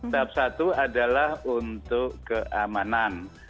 tahap satu adalah untuk keamanan